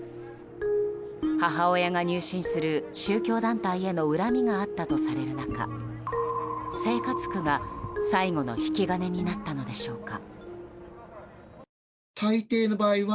母親が入信する宗教団体への恨みがあったとされる中生活苦が最後の引き金になったのでしょうか。